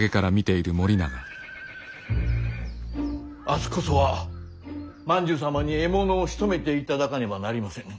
明日こそは万寿様に獲物をしとめていただかねばなりませぬ。